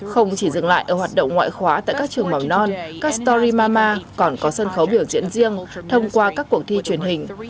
không chỉ dừng lại ở hoạt động ngoại khóa tại các trường mầm non castorima còn có sân khấu biểu diễn riêng thông qua các cuộc thi truyền hình